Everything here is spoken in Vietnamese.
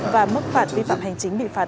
và mức phạt vi phạm hành chính bị phạt